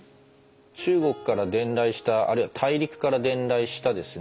中国から伝来したあるいは大陸から伝来したですね